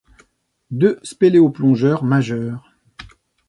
Deux spéléoplongeurs majeure.